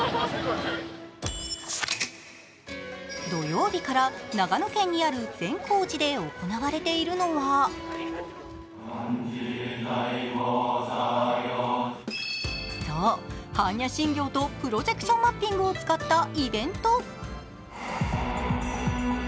土曜日から長野県にある善光寺で行われているのはそう、般若心経とプロジェクションマッピングを使ったイベント。